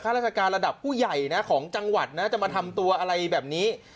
ราชการระดับผู้ใหญ่นะของจังหวัดนะจะมาทำตัวอะไรแบบนี้